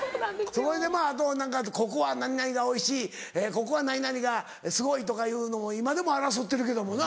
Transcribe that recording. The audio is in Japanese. それであとここは何々がおいしいここは何々がすごいとかいうのも今でも争ってるけどもな。